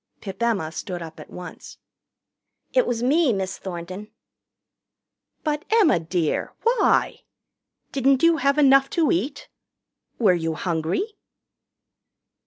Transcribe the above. Pip Emma stood up at once. "It was me, Miss Thornton." "But, Emma, dear, why? Didn't you have enough to eat? Were you hungry?"